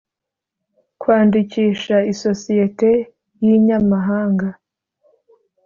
kwandikisha isosiyete y’inyamahanga